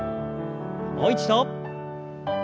もう一度。